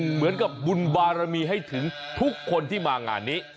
เหมือนกับบุญบารมีให้ถึงทุกคนที่มางานนี้